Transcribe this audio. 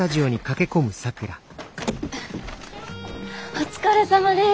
お疲れさまです。